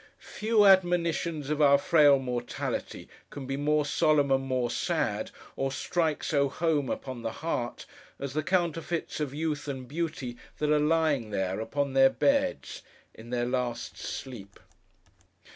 Few admonitions of our frail mortality can be more solemn and more sad, or strike so home upon the heart, as the counterfeits of Youth and Beauty that are lying there, upon their beds, in their last sleep.